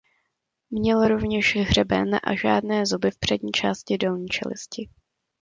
Měl rovněž hřeben a žádné zuby v přední části dolní čelisti.